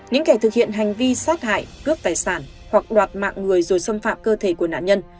những kẻ thực hiện hành vi sát hại cướp tài sản hoặc đoạt mạng người rồi xâm phạm cơ thể của nạn nhân